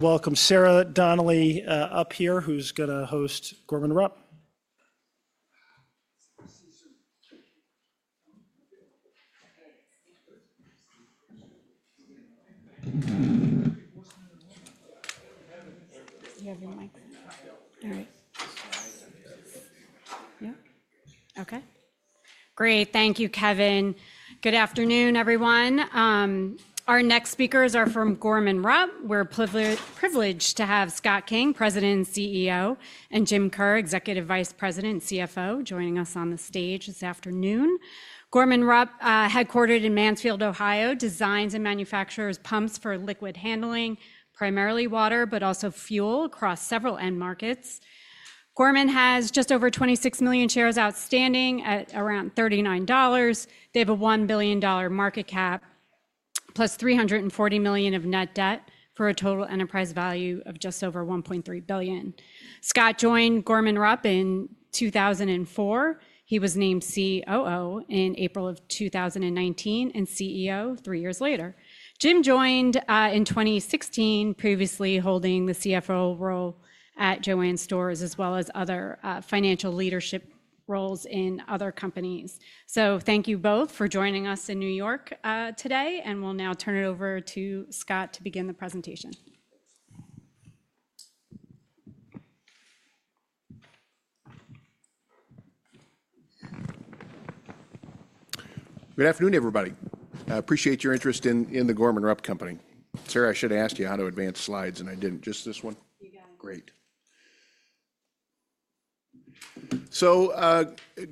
Welcome, Sarah Donnelly, who's going to host Gorman-Rupp. You have your mic. All right. Yes. Okay, great. Thank you, Kevin. Good afternoon, everyone. Our next speakers are from The Gorman-Rupp Company. We’re privileged to have Scott King, President and Chief Executive Officer, and Jim Kerr, Executive Vice President and Chief Financial Officer, joining us on stage this afternoon. The Gorman-Rupp Company, headquartered in Mansfield, Ohio, designs and manufactures pumps for liquid handling, primarily water, and also fuel, across several end markets. The company has just over 26 million shares outstanding, trading at around $39, with a market capitalization of approximately $1 billion, plus $340 million of net debt, for a total enterprise value of just over $1.3 billion Scott joined Gorman-Rupp in 2004. He was named Chief Operating Officer in April 2019 and became Chief Executive Officer three years later. Jim joined the company in 2016, previously serving as Chief Financial Officer at Jo-Ann Stores, along with other financial leadership roles at various companies. Thank you both for joining us in New York today. We’ll now turn it over to Scott King to begin the presentation. Good afternoon, everybody. We appreciate your interest in The Gorman-Rupp Company. Sarah, I should have asked you how to advance the slides, and I didn’t. Is it just this one? You got it. Great. So,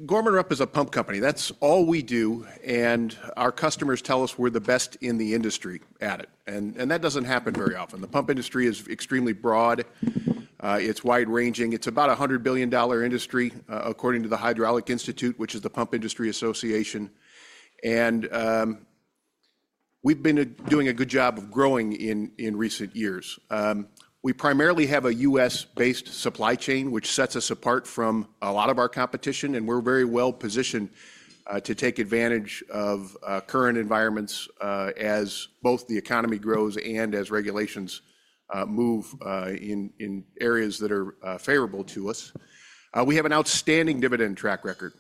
Gorman-Rupp is a pump company—that’s all we do. Our customers tell us we’re the best in the industry at it, and that doesn’t happen very often. The pump industry is extremely broad and wide-ranging. It’s approximately a $100 billion industry, according to the Hydraulic Institute, the pump industry association. We’ve been doing a good job of growing in recent years. We primarily have a U.S.-based supply chain, which sets us apart from much of our competition, and we’re very well positioned to take advantage of the current environment—both as the economy grows and as regulations move in areas that are favorable to us. We also have an outstanding dividend track record.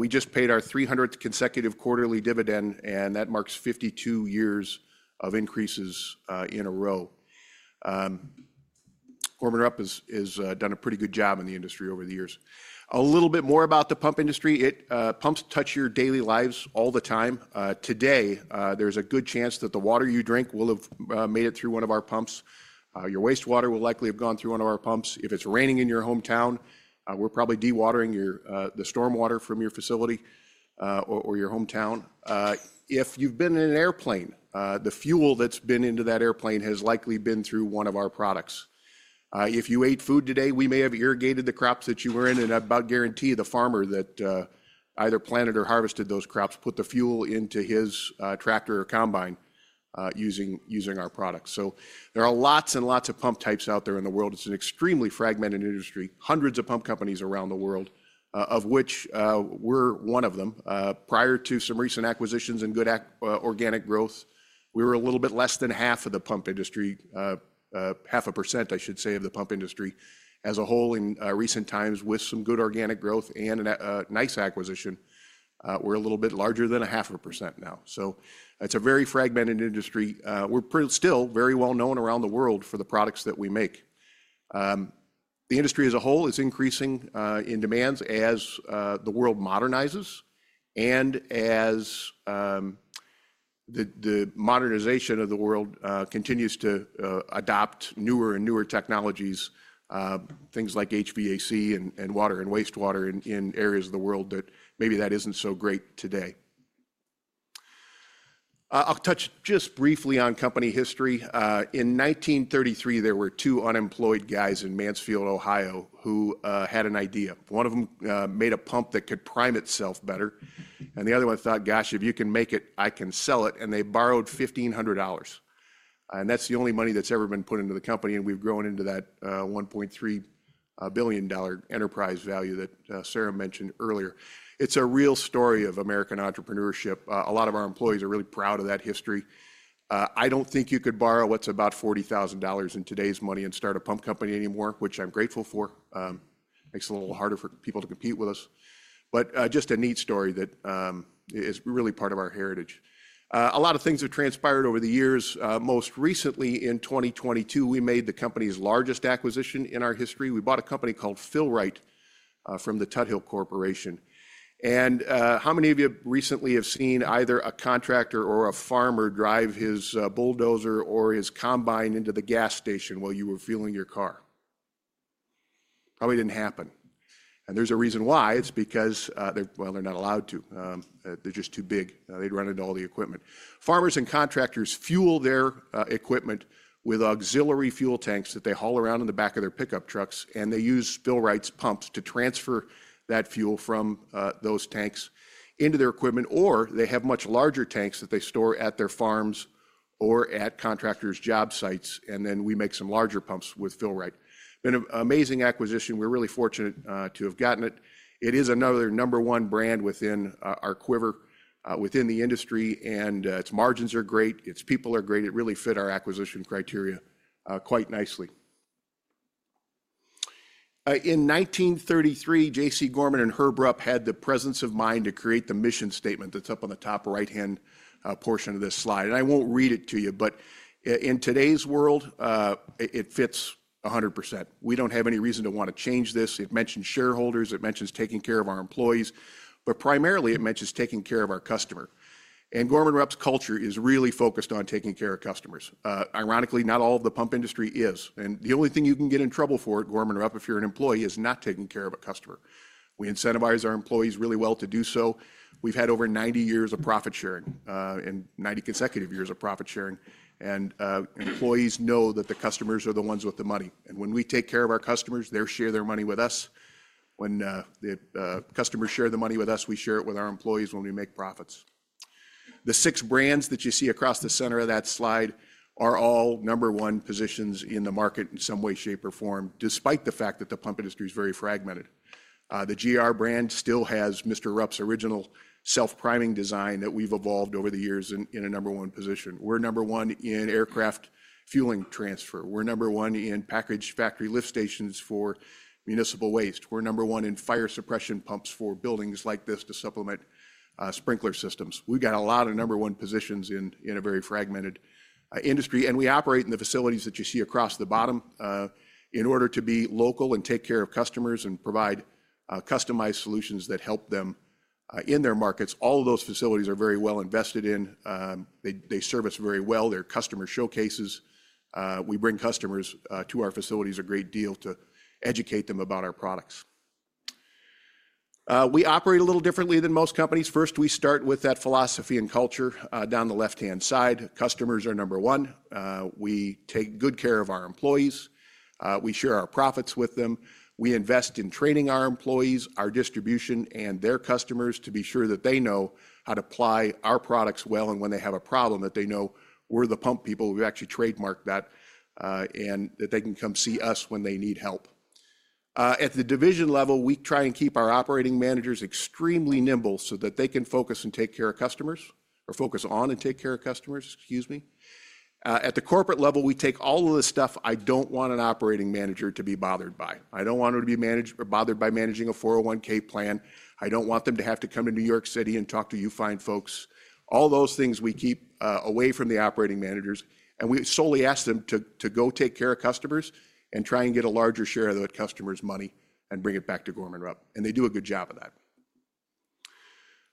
We just paid our 300th consecutive quarterly dividend, marking 52 consecutive years of dividend increases. Overall, Gorman-Rupp has performed very well in the industry over the years. A little more about the pump industry—pumps touch your daily lives all the time. There’s a good chance the water you drink today passed through one of our pumps. Your wastewater likely went through one of our pumps as well. Your wastewater will likely have gone through one of our pumps. If it's raining in your hometown, we're probably dewatering the stormwater from your facility or your hometown. If you've been in an airplane, the fuel that's been into that airplane has likely been through one of our products. If you ate food today, we may have irrigated the crops that you were in. And I'd guarantee the farmer that either planted or harvested those crops put the fuel into his tractor or combine using our products. So there are lots and lots of pump types out there in the world. It's an extremely fragmented industry. Hundreds of pump companies around the world, of which we're one of them. Prior to some recent acquisitions and good organic growth, we were a little bit less than half of the pump industry, half a percent, I should say, of the pump industry as a whole in recent times, with some good organic growth and a nice acquisition. We're a little bit larger than a half a percent now. it's a very fragmented industry. We're still very well known around the world for the products that we make. The industry as a whole is increasing in demands as the world modernizes and as the modernization of the world continues to adopt newer and newer technologies, things like HVAC and water and wastewater in areas of the world that maybe that isn't so great today. I'll touch just briefly on company history. In 1933, there were two unemployed guys in Mansfield, Ohio, who had an idea. One of them made a pump that could prime itself better, and the other one thought, "Gosh, if you can make it, I can sell it," and they borrowed $1,500, and that's the only money that's ever been put into the company, and we've grown into that $1.3 billion enterprise value that Sarah mentioned earlier. It's a real story of American entrepreneurship. A lot of our employees are really proud of that history. I don't think you could borrow what's about $40,000 in today's money and start a pump company anymore, which I'm grateful for. Makes it a little harder for people to compete with us, but just a neat story that is really part of our heritage. A lot of things have transpired over the years. Most recently, in 2022, we made the company's largest acquisition in our history. We bought a company called Fill-Rite from the Tuthill Corporation. How many of you recently have seen either a contractor or a farmer drive his bulldozer or his combine into the gas station while you were fueling your car? Probably didn't happen. And there's a reason why. It's because, well, they're not allowed to. They're just too big. They'd run into all the equipment. Farmers and contractors fuel their equipment with auxiliary fuel tanks that they haul around in the back of their pickup trucks. They use Fill-Rite's pumps to transfer that fuel from those tanks into their equipment. Or they have much larger tanks that they store at their farms or at contractors' job sites. And then we make some larger pumps with Fill-Rite. Been an amazing acquisition. We're really fortunate to have gotten it. It is another number one brand within our quiver within the industry. And its margins are great. Its people are great. It really fit our acquisition criteria quite nicely. In 1933, J.C. Gorman and Herb Rupp had the presence of mind to create the mission statement that's up on the top right-hand portion of this slide. I won't read it to you. But in today's world, it fits 100%. We don't have any reason to want to change this. It mentions shareholders. It mentions taking care of our employees. But primarily, it mentions taking care of our customer. And Gorman-Rupp's culture is really focused on taking care of customers. Ironically, not all of the pump industry is. And the only thing you can get in trouble for at Gorman-Rupp, if you're an employee, is not taking care of a customer. We incentivize our employees really well to do so. We've had over 90 years of profit sharing and 90 consecutive years of profit sharing. And employees know that the customers are the ones with the money. And when we take care of our customers, they share their money with us. When the customers share the money with us, we share it with our employees when we make profits. The six brands that you see across the center of that slide are all number one positions in the market in some way, shape, or form, despite the fact that the pump industry is very fragmented. The GR brand still has Mr. Rupp's original self-priming design that we've evolved over the years in a number one position. We're number one in aircraft fueling transfer. We're number one in package factory lift stations for municipal waste. We're number one in fire suppression pumps for buildings like this to supplement sprinkler systems. We've got a lot of number one positions in a very fragmented industry, and we operate in the facilities that you see across the bottom. In order to be local and take care of customers and provide customized solutions that help them in their markets, all of those facilities are very well invested in. They service very well. They're customer showcases. We bring customers to our facilities a great deal to educate them about our products. We operate a little differently than most companies. First, we start with that philosophy and culture down the left-hand side. Customers are number one. We take good care of our employees. We share our profits with them. We invest in training our employees, our distribution, and their customers to be sure that they know how to apply our products well. And when they have a problem, that they know we're the pump people. We actually trademark that and that they can come see us when they need help. At the division level, we try and keep our operating managers extremely nimble so that they can focus and take care of customers or focus on and take care of customers, excuse me. At the corporate level, we take all of the stuff I don't want an operating manager to be bothered by. I don't want them to be bothered by managing a 401(k) plan. I don't want them to have to come to New York City and talk to you fine folks. All those things we keep away from the operating managers. And we solely ask them to go take care of customers and try and get a larger share of that customer's money and bring it back to Gorman-Rupp. And they do a good job of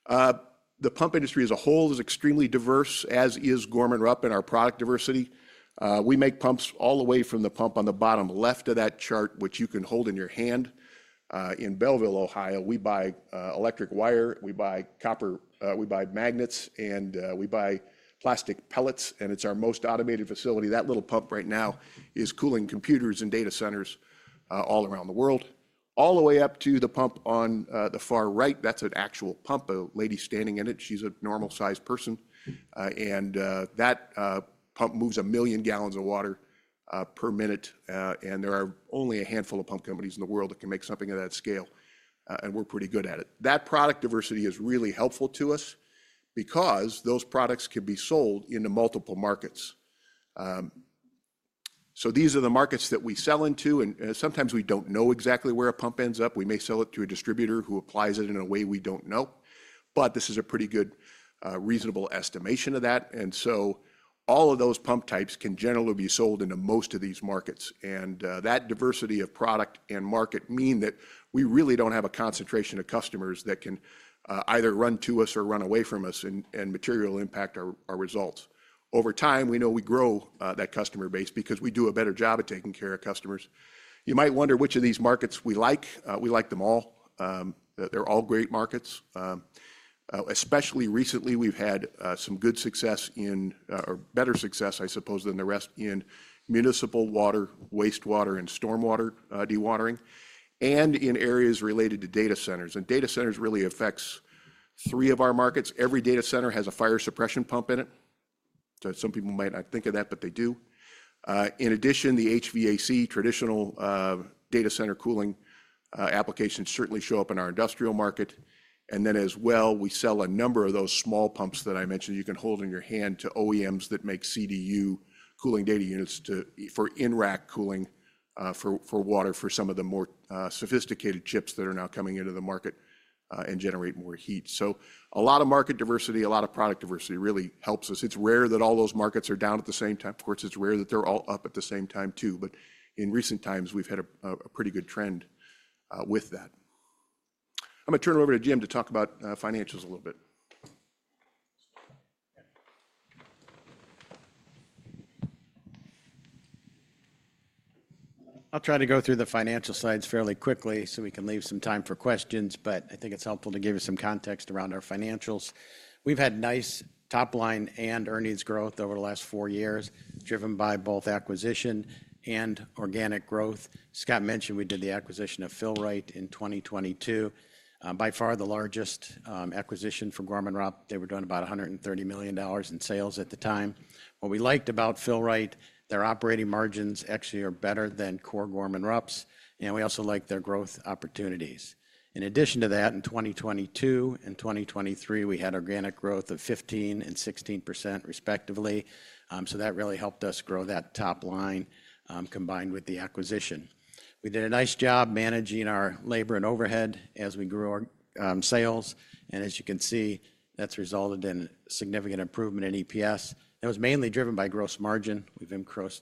that. The pump industry as a whole is extremely diverse, as is Gorman-Rupp and our product diversity. We make pumps all the way from the pump on the bottom left of that chart, which you can hold in your hand. In Bellville, Ohio we buy electric wire. We buy copper. We buy magnets. And we buy plastic pellets. It's our most automated facility. That little pump right now is cooling computers and data centers all around the world. All the way up to the pump on the far right, that's an actual pump. A lady standing in it. She's a normal-sized person. And that pump moves a million gallons of water per minute. There are only a handful of pump companies in the world that can make something of that scale. We're pretty good at it. That product diversity is really helpful to us because those products can be sold into multiple markets. These are the markets that we sell into. Sometimes we don't know exactly where a pump ends up. We may sell it to a distributor who applies it in a way we don't know. This is a pretty good, reasonable estimation of that. All of those pump types can generally be sold into most of these markets. That diversity of product and market means that we really don't have a concentration of customers that can either run to us or run away from us and materially impact our results. Over time, we know we grow that customer base because we do a better job of taking care of customers. You might wonder which of these markets we like. We like them all. They're all great markets. Especially recently, we've had some good success in, or better success, I suppose, than the rest in municipal water, wastewater, and stormwater dewatering, and in areas related to data centers. And data centers really affect three of our markets. Every data center has a fire suppression pump in it. So some people might not think of that, but they do. In addition, the HVAC, traditional data center cooling applications certainly show up in our industrial market. And then as well, we sell a number of those small pumps that I mentioned you can hold in your hand to OEMs that make CDU cooling data units for in-rack cooling for water for some of the more sophisticated chips that are now coming into the market and generate more heat. So a lot of market diversity, a lot of product diversity really helps us. It's rare that all those markets are down at the same time. Of course, it's rare that they're all up at the same time too. But in recent times, we've had a pretty good trend with that. I'm going to turn it over to Jim to talk about financials a little bit. I'll try to go through the financial sides fairly quickly so we can leave some time for questions. But I think it's helpful to give you some context around our financials. We've had nice top-line and earnings growth over the last four years, driven by both acquisition and organic growth. Scott mentioned we did the acquisition of Fill-Rite in 2022. By far, the largest acquisition for Gorman-Rupp. They were doing about $130 million in sales at the time. What we liked about Fill-Rite, their operating margins actually are better than core Gorman-Rupp's. And we also liked their growth opportunities. In addition to that, in 2022 and 2023, we had organic growth of 15% and 16%, respectively. So that really helped us grow that top line combined with the acquisition. We did a nice job managing our labor and overhead as we grew our sales. And as you can see, that's resulted in significant improvement in EPS. That was mainly driven by gross margin. We've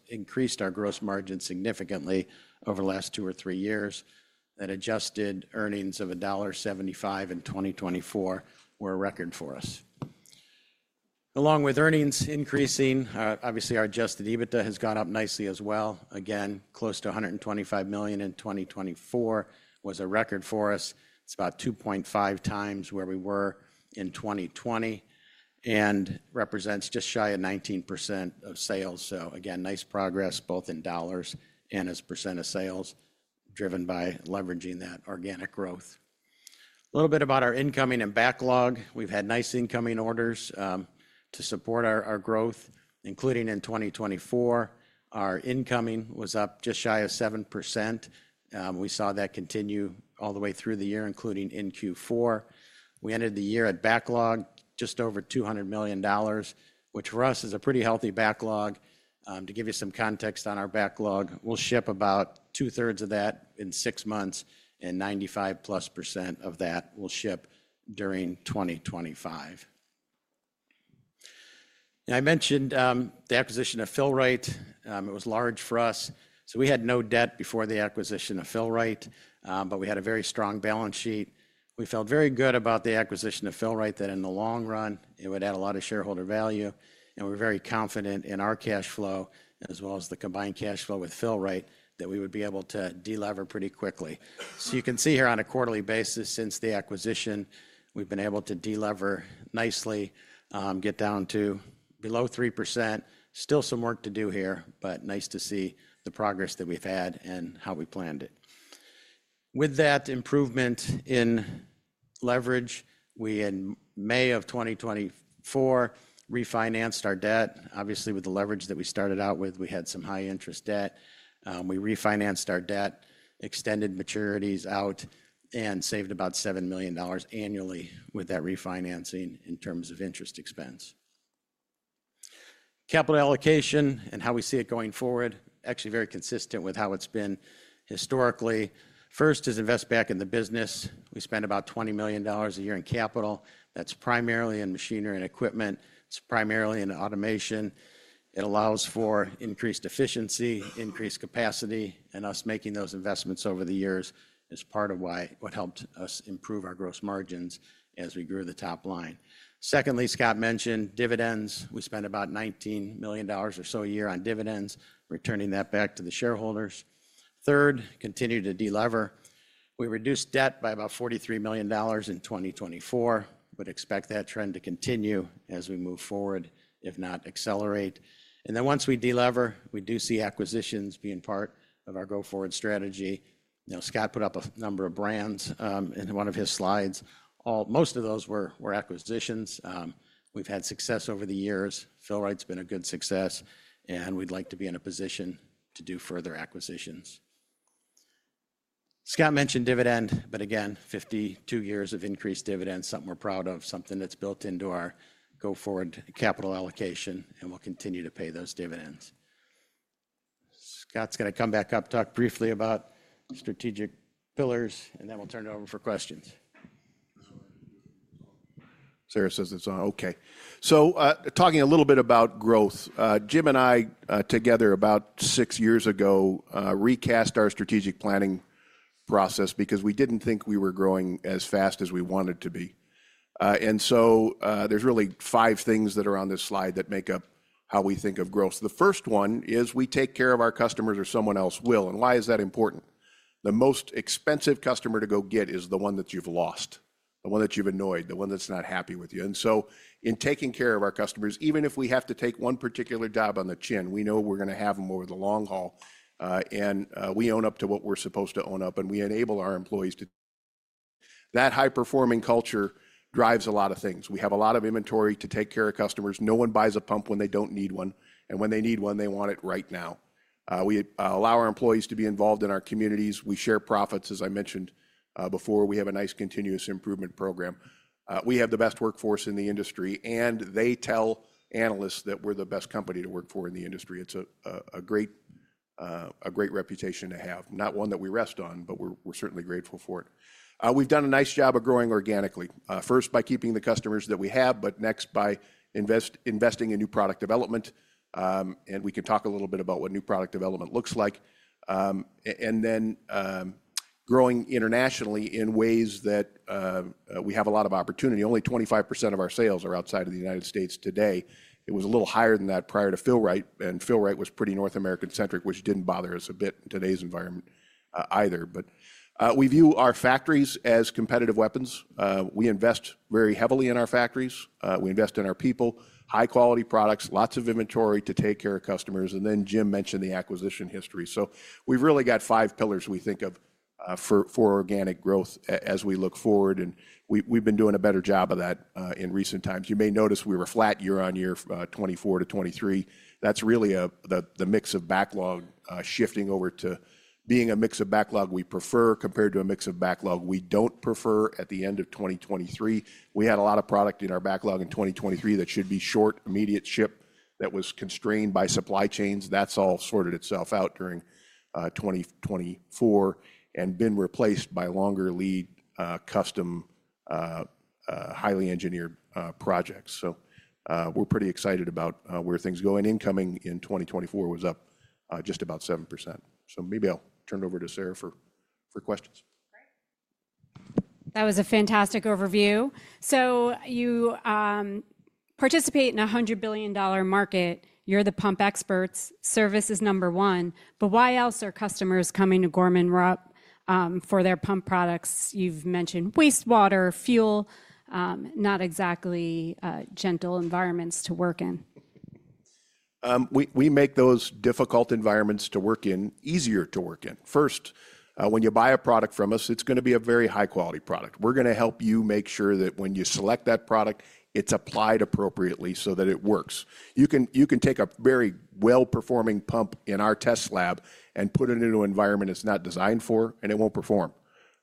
increased our gross margin significantly over the last two or three years. That adjusted earnings of $1.75 in 2024 were a record for us. Along with earnings increasing, obviously, our adjusted EBITDA has gone up nicely as well. Again, close to $125 million in 2024 was a record for us. It's about 2.5 times where we were in 2020 and represents just shy of 19% of sales. So again, nice progress both in dollars and as a percent of sales driven by leveraging that organic growth. A little bit about our incoming and backlog. We've had nice incoming orders to support our growth, including in 2024. Our incoming was up just shy of 7%. We saw that continue all the way through the year, including in Q4. We ended the year at backlog just over $200 million, which for us is a pretty healthy backlog. To give you some context on our backlog, we'll ship about two-thirds of that in six months, and 95+% of that we'll ship during 2025. I mentioned the acquisition of Fill-Rite. It was large for us, so we had no debt before the acquisition of Fill-Rite, but we had a very strong balance sheet. We felt very good about the acquisition of Fill-Rite, that in the long run, it would add a lot of shareholder value, and we're very confident in our cash flow as well as the combined cash flow with Fill-Rite that we would be able to delever pretty quickly, so you can see here on a quarterly basis, since the acquisition, we've been able to delever nicely, get down to below 3%. Still some work to do here, but nice to see the progress that we've had and how we planned it. With that improvement in leverage, we, in May of 2024, refinanced our debt. Obviously, with the leverage that we started out with, we had some high-interest debt. We refinanced our debt, extended maturities out, and saved about $7 million annually with that refinancing in terms of interest expense. Capital allocation and how we see it going forward, actually very consistent with how it's been historically. First is invest back in the business. We spend about $20 million a year in capital. That's primarily in machinery and equipment. It's primarily in automation. It allows for increased efficiency, increased capacity, and us making those investments over the years is part of what helped us improve our gross margins as we grew the top line. Secondly, Scott mentioned dividends. We spent about $19 million or so a year on dividends, returning that back to the shareholders. Third, continue to delever. We reduced debt by about $43 million in 2024. We'd expect that trend to continue as we move forward, if not accelerate. And then once we delever, we do see acquisitions being part of our go-forward strategy. Now, Scott put up a number of brands in one of his slides. Most of those were acquisitions. We've had success over the years. Fill-Rite's been a good success. And we'd like to be in a position to do further acquisitions. Scott mentioned dividend, but again, 52 years of increased dividends, something we're proud of, something that's built into our go-forward capital allocation. And we'll continue to pay those dividends. Scott's going to come back up, talk briefly about strategic pillars, and then we'll turn it over for questions. This one. Sarah says it's on. Okay, so talking a little bit about growth, Jim and I together about six years ago recast our strategic planning process because we didn't think we were growing as fast as we wanted to be. And so there's really five things that are on this slide that make up how we think of growth. The first one is we take care of our customers or someone else will. And why is that important? The most expensive customer to go get is the one that you've lost, the one that you've annoyed, the one that's not happy with you. And so in taking care of our customers, even if we have to take one particular job on the chin, we know we're going to have them over the long haul. And we own up to what we're supposed to own up. And we enable our employees to. That high-performing culture drives a lot of things. We have a lot of inventory to take care of customers. No one buys a pump when they don't need one. And when they need one, they want it right now. We allow our employees to be involved in our communities. We share profits, as I mentioned before. We have a nice continuous improvement program. We have the best workforce in the industry. They tell analysts that we're the best company to work for in the industry. It's a great reputation to have, not one that we rest on, but we're certainly grateful for it. We've done a nice job of growing organically, first by keeping the customers that we have, but next by investing in new product development. And we can talk a little bit about what new product development looks like. And then growing internationally in ways that we have a lot of opportunity. Only 25% of our sales are outside of the United States today. It was a little higher than that prior to Fill-Rite. And Fill-Rite was pretty North American-centric, which didn't bother us a bit in today's environment either. But we view our factories as competitive weapons. We invest very heavily in our factories. We invest in our people, high-quality products, lots of inventory to take care of customers. And then Jim mentioned the acquisition history. So we've really got five pillars we think of for organic growth as we look forward. We've been doing a better job of that in recent times. You may notice we were flat year-on-year, 2024 to 2023. That's really the mix of backlog shifting over to being a mix of backlog we prefer compared to a mix of backlog we don't prefer at the end of 2023. We had a lot of product in our backlog in 2023 that should be short, immediate ship that was constrained by supply chains. That's all sorted itself out during 2024 and been replaced by longer lead custom highly engineered projects. So we're pretty excited about where things going. Incoming in 2024 was up just about 7%. So maybe I'll turn it over to Sarah for questions. That was a fantastic overview. So you participate in a $100 billion market. You're the pump experts. Service is number one. But why else are customers coming to Gorman-Rupp for their pump products? You've mentioned wastewater, fuel, not exactly gentle environments to work in. We make those difficult environments to work in easier to work in. First, when you buy a product from us, it's going to be a very high-quality product. We're going to help you make sure that when you select that product, it's applied appropriately so that it works. You can take a very well-performing pump in our test lab and put it into an environment it's not designed for, and it won't perform,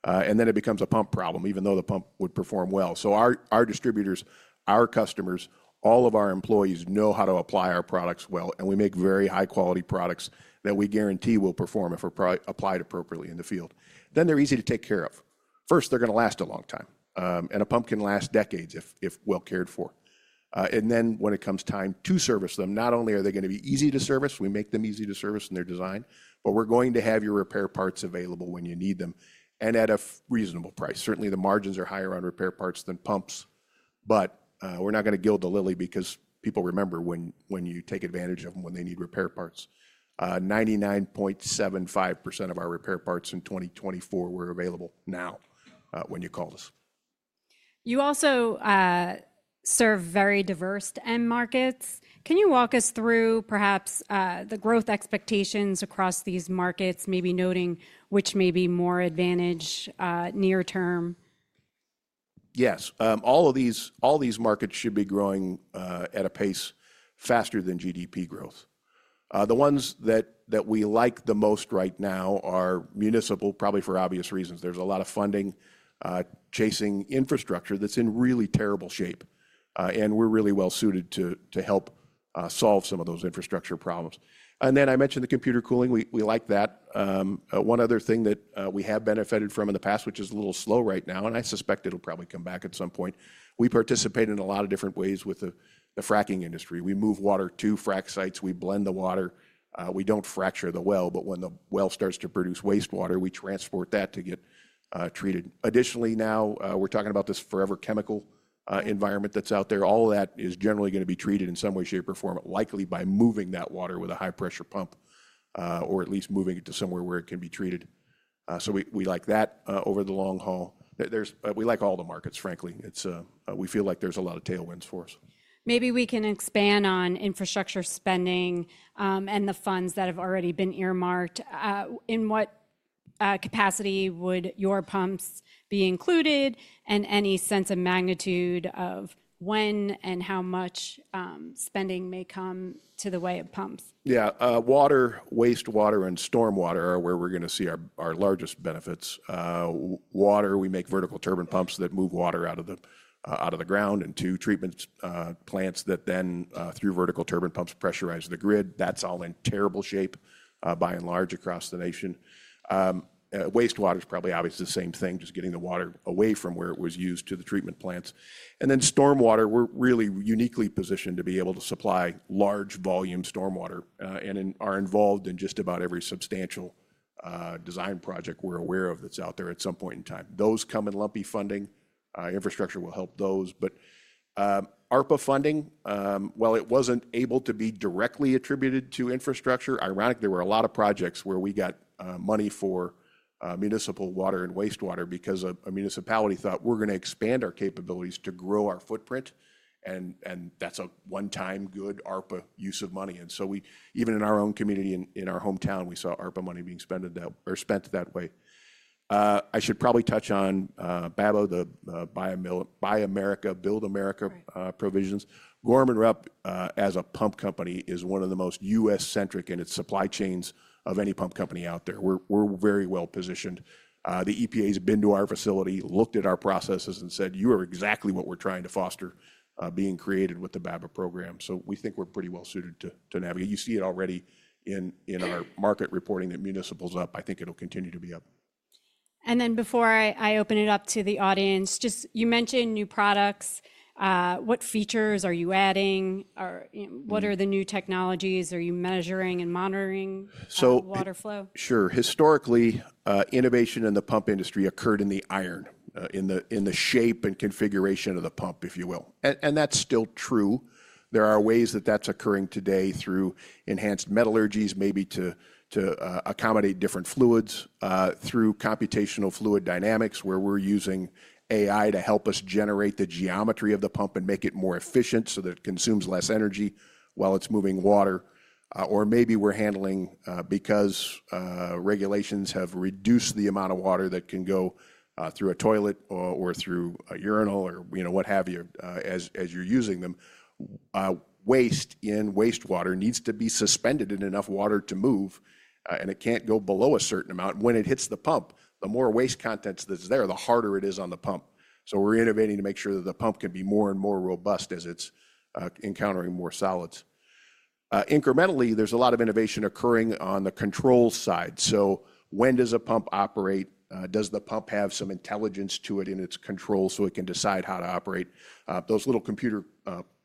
and then it becomes a pump problem, even though the pump would perform well, so our distributors, our customers, all of our employees know how to apply our products well, and we make very high-quality products that we guarantee will perform if applied appropriately in the field, then they're easy to take care of. First, they're going to last a long time, and a pump can last decades if well cared for. And then when it comes time to service them, not only are they going to be easy to service, we make them easy to service in their design, but we're going to have your repair parts available when you need them and at a reasonable price. Certainly, the margins are higher on repair parts than pumps. But we're not going to gild the lily because people remember when you take advantage of them when they need repair parts. 99.75% of our repair parts in 2024 were available now when you called us. You also serve very diverse end markets. Can you walk us through perhaps the growth expectations across these markets, maybe noting which may be more advantageous near term? Yes. All of these markets should be growing at a pace faster than GDP growth. The ones that we like the most right now are municipal, probably for obvious reasons. There's a lot of funding chasing infrastructure that's in really terrible shape, and we're really well suited to help solve some of those infrastructure problems, and then I mentioned the computer cooling. We like that. One other thing that we have benefited from in the past, which is a little slow right now, and I suspect it'll probably come back at some point, we participate in a lot of different ways with the fracking industry. We move water to frack sites. We blend the water. We don't fracture the well. But when the well starts to produce wastewater, we transport that to get treated. Additionally, now we're talking about this forever chemical environment that's out there. All of that is generally going to be treated in some way, shape, or form, likely by moving that water with a high-pressure pump or at least moving it to somewhere where it can be treated. So we like that over the long haul. We like all the markets, frankly. We feel like there's a lot of tailwinds for us. Maybe we can expand on infrastructure spending and the funds that have already been earmarked. In what capacity would your pumps be included, and any sense of magnitude of when and how much spending may come to the way of pumps? Yeah. Water, wastewater, and stormwater are where we're going to see our largest benefits. Water, we make vertical turbine pumps that move water out of the ground into treatment plants that then, through vertical turbine pumps, pressurize the grid. That's all in terrible shape by and large across the nation. Wastewater is probably obviously the same thing, just getting the water away from where it was used to the treatment plants. And then stormwater, We're really uniquely positioned to be able to supply large volume stormwater and are involved in just about every substantial design project we're aware of that's out there at some point in time. Those come in lumpy funding. Infrastructure will help those. But ARPA funding, well, it wasn't able to be directly attributed to infrastructure. Ironically, there were a lot of projects where we got money for municipal water and wastewater because a municipality thought, "We're going to expand our capabilities to grow our footprint," and that's a one-time good ARPA use of money, and so even in our own community in our hometown, we saw ARPA money being spent that way. I should probably touch on BABA, the Buy America, Build America provisions. Gorman-Rupp, as a pump company, is one of the most U.S.-centric in its supply chains of any pump company out there. We're very well positioned. The EPA's been to our facility, looked at our processes, and said, "You are exactly what we're trying to foster being created with the BABA program." So we think we're pretty well suited to navigate. You see it already in our market reporting that municipals up. I think it'll continue to be up. And then before I open it up to the audience, just you mentioned new products. What features are you adding? What are the new technologies? Are you measuring and monitoring water flow? Sure. Historically, innovation in the pump industry occurred in the iron, in the shape and configuration of the pump, if you will, and that's still true. There are ways that that's occurring today through enhanced metallurgies, maybe to accommodate different fluids, through computational fluid dynamics where we're using AI to help us generate the geometry of the pump and make it more efficient so that it consumes less energy while it's moving water. Or maybe we're handling, because regulations have reduced the amount of water that can go through a toilet or through a urinal or what have you as you're using them. Waste in wastewater needs to be suspended in enough water to move, and it can't go below a certain amount. When it hits the pump, the more waste contents that's there, the harder it is on the pump. So we're innovating to make sure that the pump can be more and more robust as it's encountering more solids. Incrementally, there's a lot of innovation occurring on the control side. So when does a pump operate? Does the pump have some intelligence to it in its control so it can decide how to operate? Those little computer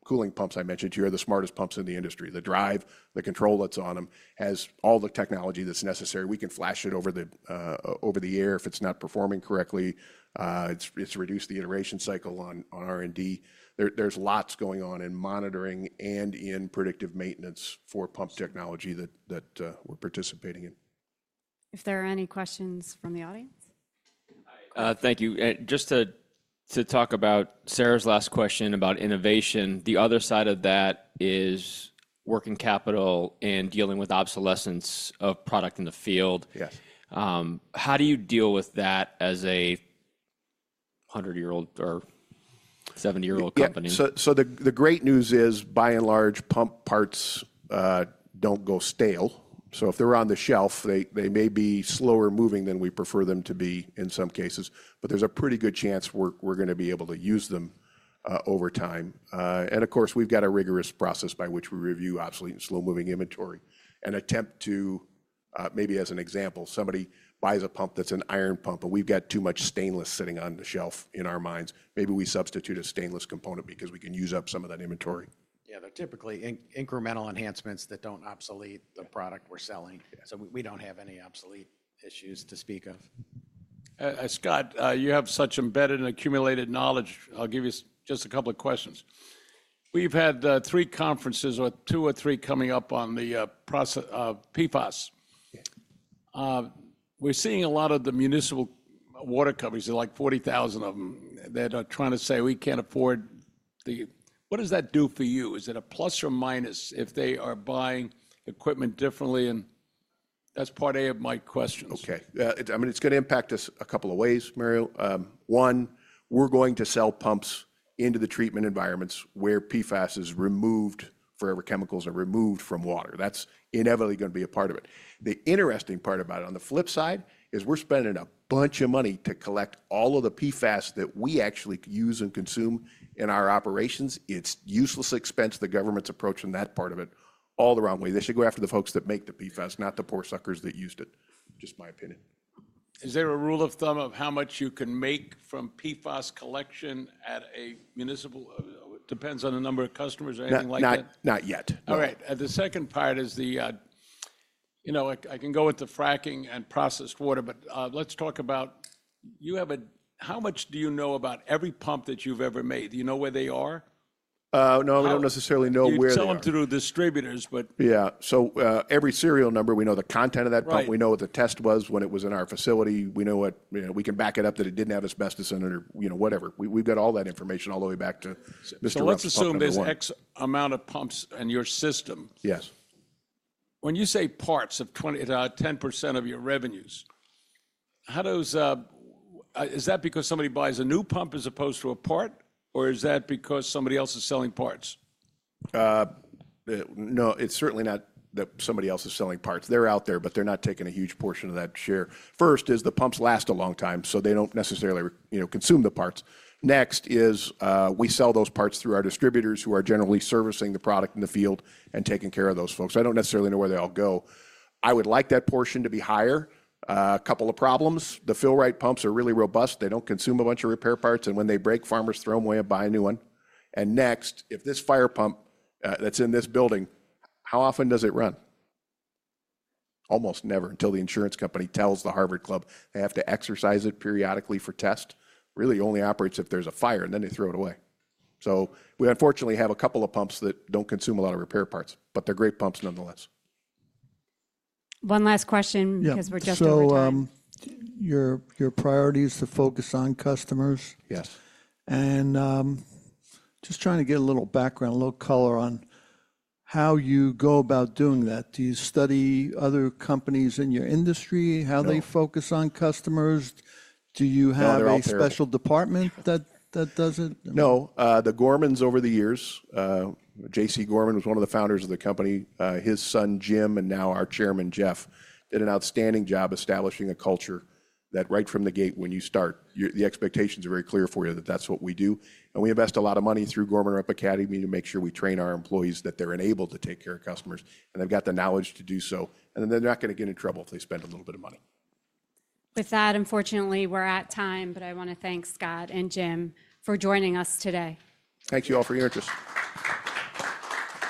cooling pumps I mentioned to you are the smartest pumps in the industry. The drive, the control that's on them has all the technology that's necessary. We can flash it over the air if it's not performing correctly. It's reduced the iteration cycle on R&D. There's lots going on in monitoring and in predictive maintenance for pump technology that we're participating in. If there are any questions from the audience? Thank you. Just to talk about Sarah's last question about innovation, the other side of that is working capital and dealing with obsolescence of product in the field. How do you deal with that as a 100-year-old or 70-year-old company? Yeah. So the great news is, by and large, pump parts don't go stale. So if they're on the shelf, they may be slower-moving than we prefer them to be in some cases. But there's a pretty good chance we're going to be able to use them over time. And of course, we've got a rigorous process by which we review obsolete and slow-moving inventory and attempt to, maybe as an example, somebody buys a pump that's an iron pump, but we've got too much stainless sitting on the shelf in our inventory. Maybe we substitute a stainless component because we can use up some of that inventory. Yeah. They're typically incremental enhancements that don't obsolete the product we're selling. So we don't have any obsolete issues to speak of. Scott, you have such embedded and accumulated knowledge. I'll give you just a couple of questions. We've had three conferences, two or three coming up on the PFAS. We're seeing a lot of the municipal water companies, like 40,000 of them, that are trying to say, "We can't afford the..." What does that do for you? Is it a plus or minus if they are buying equipment differently? And that's part A of my questions. Okay. I mean, it's going to impact us a couple of ways, Mario. One, we're going to sell pumps into the treatment environments where PFAS is removed, forever chemicals are removed from water. That's inevitably going to be a part of it. The interesting part about it on the flip side is we're spending a bunch of money to collect all of the PFAS that we actually use and consume in our operations. It's useless expense. The government's approaching that part of it all the wrong way. They should go after the folks that make the PFAS, not the poor suckers that used it, just my opinion. Is there a rule of thumb of how much you can make from PFAS collection at a municipal? It depends on the number of customers or anything like that? Not yet. All right. The second part is... You know, I can go with the fracking and processed water, but let's talk about how much do you know about every pump that you've ever made? Do you know where they are? No, we don't necessarily know where they are. You can sell them through distributors, but... Yeah. So every serial number, we know the content of that pump. We know what the test was when it was in our facility. We know what we can back it up that it didn't have asbestos in it or whatever. We've got all that information all the way back to Mr. Rupp's system. So let's assume there's X amount of pumps in your system. Yes. When you say parts of 10% of your revenues, is that because somebody buys a new pump as opposed to a part, or is that because somebody else is selling parts? No, it's certainly not that somebody else is selling parts. They're out there, but they're not taking a huge portion of that share. First is the pumps last a long time, so they don't necessarily consume the parts. Next is we sell those parts through our distributors who are generally servicing the product in the field and taking care of those folks. I don't necessarily know where they all go. I would like that portion to be higher. A couple of problems. The Fill-Rite pumps are really robust. They don't consume a bunch of repair parts, and when they break, farmers throw them away and buy a new one. And next, if this fire pump that's in this building, how often does it run? Almost never until the insurance company tells the Harvard Club they have to exercise it periodically for test. Really only operates if there's a fire, and then they throw it away. So we unfortunately have a couple of pumps that don't consume a lot of repair parts, but they're great pumps nonetheless. One last question because we're just over time. Yeah. So your priority is to focus on customers? Yes. Just trying to get a little background, a little color on how you go about doing that. Do you study other companies in your industry, how they focus on customers? Do you have a special department that does it? No. The Gormans over the years. J.C. Gorman was one of the founders of the company. His son, Jim, and now our chairman, Jeff, did an outstanding job establishing a culture that right from the gate, when you start, the expectations are very clear for you that that's what we do. And we invest a lot of money through Gorman-Rupp Academy to make sure we train our employees that they're enabled to take care of customers. And they've got the knowledge to do so. And then they're not going to get in trouble if they spend a little bit of money. With that, unfortunately, we're at time, but I want to thank Scott and Jim for joining us today. Thank you all for your interest.